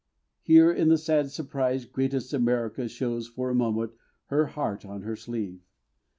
Here in the sad surprise greatest America Shows for a moment her heart on her sleeve.